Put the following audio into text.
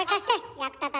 役立たず。